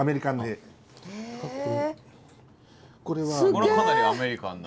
これもかなりアメリカンな。